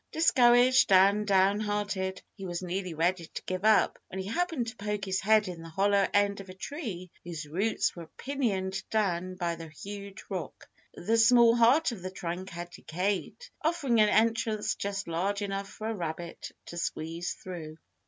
Discouraged and down hearted, he was nearly ready to give up when he happened to poke his head in the hollow end of a tree whose roots were pinioned down by the huge rock. The small heart of the trunk had decayed, offering an entrance just large enough for a rabbit to squeeze through.